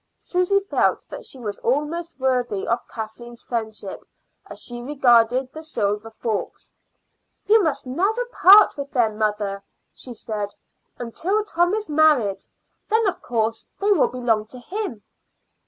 Susy felt that she was almost worthy of Kathleen's friendship as she regarded the silver forks. "You must never part with them, mother," she said until Tom is married. Then, of course, they will belong to him."